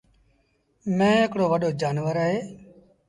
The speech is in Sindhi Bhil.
ميݩهن هڪڙو وڏو جآݩور اهي۔